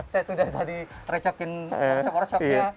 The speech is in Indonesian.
saya sudah tadi recokin workshop workshopnya